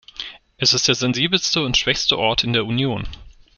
Es ist der sensibelste und schwächste Ort in der Union.